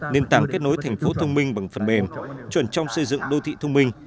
nền tảng kết nối thành phố thông minh bằng phần mềm chuẩn trong xây dựng đô thị thông minh